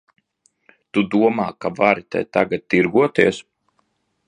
Tu domā, ka vari te tagad tirgoties?